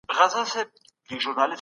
کارګرانو د کار غوښتنه کوله.